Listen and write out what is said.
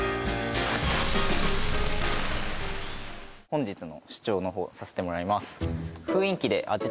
本日の主張の方させてもらいます